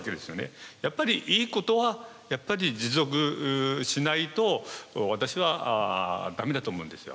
やっぱりいいことはやっぱり持続しないと私はダメだと思うんですよ。